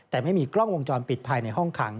แต่ไม่มีกล้องวงจรปิดภายในห้องขัง